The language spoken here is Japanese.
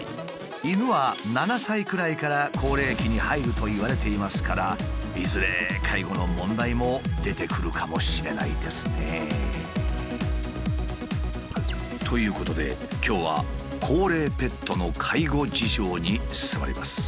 犬は７歳くらいから高齢期に入るといわれていますからいずれ介護の問題も出てくるかもしれないですね。ということで今日は高齢ペットの介護事情に迫ります。